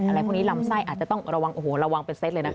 อะไรพวกนี้ลำไส้อาจจะต้องระวังโอ้โหระวังเป็นเซตเลยนะคะ